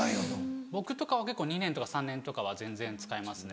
僕とかは２年とか３年とかは全然使いますね。